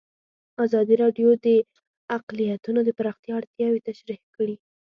ازادي راډیو د اقلیتونه د پراختیا اړتیاوې تشریح کړي.